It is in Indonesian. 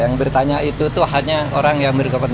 yang bertanya itu hanya orang yang berkomentar